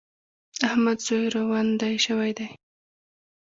د احمد زوی روندی شوی دی.